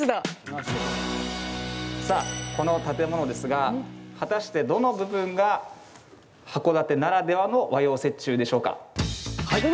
さあ、この建物ですが果たして、どの部分が函館ならではの和洋折衷でしょうか？